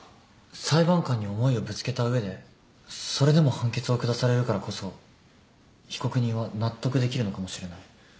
裁判官に思いをぶつけた上でそれでも判決を下されるからこそ被告人は納得できるのかもしれない。